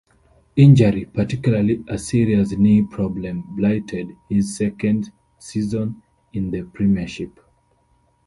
Injury, particularly a serious knee problem, blighted his second season in the Premiership.